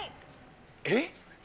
えっ？